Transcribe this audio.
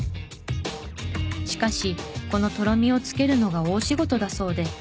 しかしこのとろみをつけるのが大仕事だそうで。